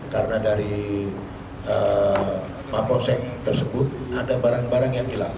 karena dari mapol sek tersebut ada barang barang yang hilang